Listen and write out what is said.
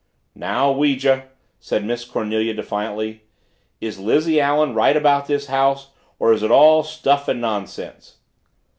"Now, Ouija," said Miss Cornelia defiantly, "is Lizzie Allen right about this house or is it all stuff and nonsense?"